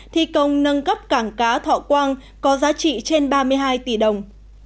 thi công nâng cấp cảng cá thọ quang có giá trị trên ba mươi hai tỷ đồng